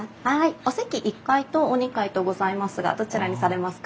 お席１階とお２階とございますがどちらにされますか？